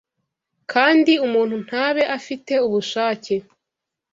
kandi umuntu ntabe afite ubushake